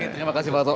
terima kasih pak tok